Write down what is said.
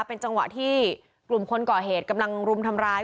เป็นจังหวะที่กลุ่มคนก่อเหตุกำลังรุมทำร้าย